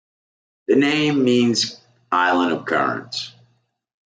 The name means "island of currents".